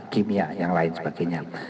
kimia yang lain sebagainya